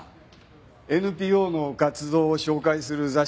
ＮＰＯの活動を紹介する雑誌ですよ。